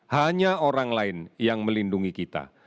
hanya orang lain yang melindungi kita